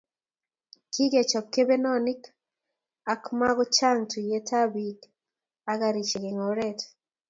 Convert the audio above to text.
Kikechob kebenonik ak makochang tuiyet ab bik ak karisiek eng oret